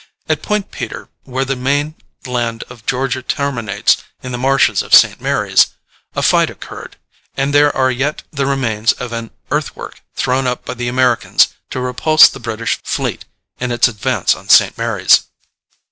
At Point Peter, where the main land of Georgia terminates in the marshes of St. Mary's, a fight occurred, and there are yet the remains of an earthwork thrown up by the Americans to repulse the British fleet in its advance on St. Mary's.